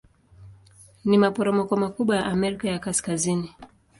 Ni maporomoko makubwa ya Amerika ya Kaskazini.